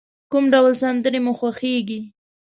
کوم ډول سندری مو خوښیږی؟